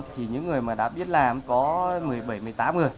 thì những người mà đã biết làm có một mươi bảy một mươi tám người